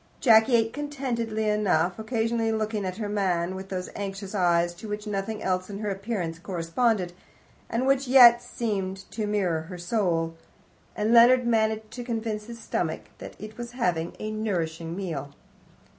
Jacky ate contentedly enough, occasionally looking at her man with those anxious eyes, to which nothing else in her appearance corresponded, and which yet seemed to mirror her soul. And Leonard managed to convince his stomach that it was having a nourishing meal.